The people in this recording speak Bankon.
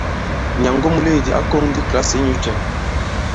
Nyàngo muleèdi ǎ kōŋ ndi i kìlasì inyū cɛ ?